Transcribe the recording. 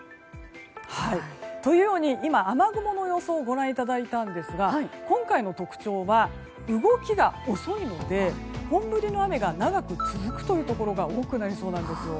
今、雨雲の予想をご覧いただいたんですが今回の特徴は動きが遅いので本降りの雨が長く続くところが多くなりそうなんです。